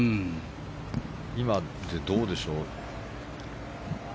今で、どうでしょう。